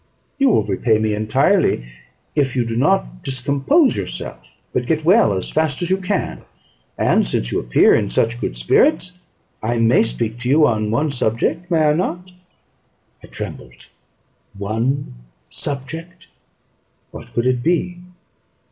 "You will repay me entirely, if you do not discompose yourself, but get well as fast as you can; and since you appear in such good spirits, I may speak to you on one subject, may I not?" I trembled. One subject! what could it be?